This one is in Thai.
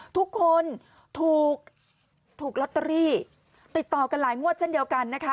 ทุกคนถูกลอตเตอรี่ติดต่อกันหลายงวดเช่นเดียวกันนะคะ